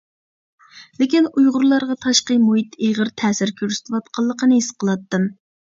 لېكىن ئۇيغۇرلارغا تاشقى مۇھىت ئېغىر تەسىر كۆرسىتىۋاتقانلىقىنى ھېس قىلاتتىم.